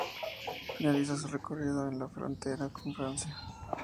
Finaliza su recorrido en la frontera con Francia.